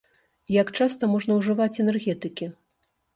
Як часта можна ўжываць энергетыкі?